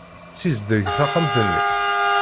Ssizdeg taxxamt-nnek.